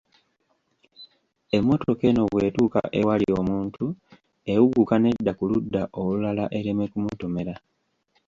Emmotoka eno bw'etuuka ewali omuntu ewuguka nedda ku ludda olulala ereme kumutomera.